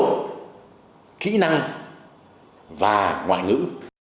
thái độ kỹ năng và ngoại ngữ